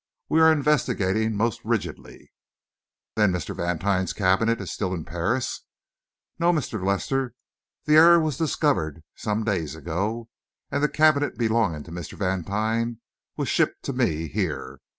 We are investigating most rigidly." "Then Mr. Vantine's cabinet is still in Paris?" "No, Mr. Lester; the error was discovered some days ago and the cabinet belonging to Mr. Vantine was shipped to me here.